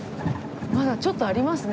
まだちょっとありますね。